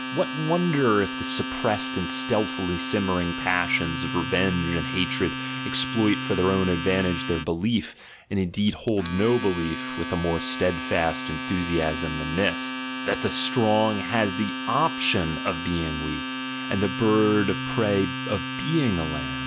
■\Yhat wonder, if the suppressed and stealthily simmer ing passions of revenge and hatred i xploit for their own advantage their belief, and indeed hold no belief with | more steadfast enthusiasm than this — "that the strong has the option of being weak, and the bird of prey of being a lamb."